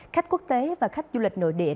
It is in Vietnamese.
khách quốc tế và khách du lịch nội địa